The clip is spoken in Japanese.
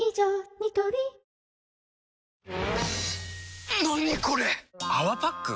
ニトリ何これ⁉「泡パック」？